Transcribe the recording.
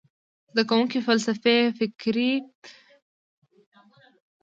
زده کوونکي فلسفي فکر ترې زده کوي.